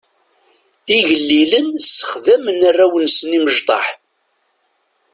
Igellilen ssexdamen arraw-nsen imecṭaḥ.